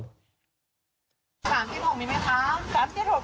๓๖มีไหมคะ